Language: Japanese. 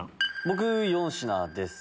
僕４品です。